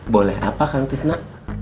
boleh apa kan tisna